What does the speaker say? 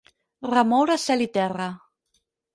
Remoure cel i terra.